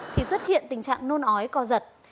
thì xuất hiện tình trạng nôn ói co giật